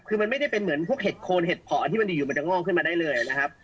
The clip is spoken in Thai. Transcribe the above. คือมันไม่ได้เป็นเหมือนพวกเห็ดโคนเห็ดเพาะที่มันดีอยู่มันจะงอกขึ้นมาได้เลยนะครับ